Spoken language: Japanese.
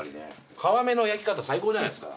皮目の焼き方最高じゃないですか。